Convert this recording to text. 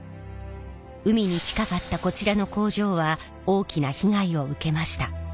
海に近かったこちらの工場は大きな被害を受けました。